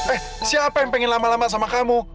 eh siapa yang pengen lama lama sama kamu